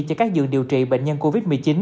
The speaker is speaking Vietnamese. cho các giường điều trị bệnh nhân covid một mươi chín